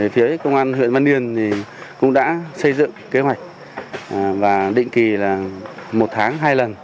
phía công an huyện văn yên cũng đã xây dựng kế hoạch và định kỳ là một tháng hai lần